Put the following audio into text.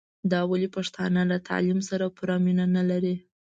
دا ولي پښتانه له تعليم سره پوره مينه نلري